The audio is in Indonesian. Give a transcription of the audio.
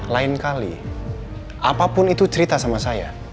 lain kali apapun itu cerita sama saya